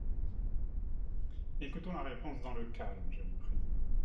Écoutons la réponse dans le calme, je vous prie.